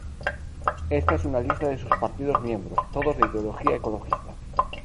Esta es una lista de sus partidos miembros, todos de ideología ecologista.